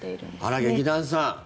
あら、劇団さん。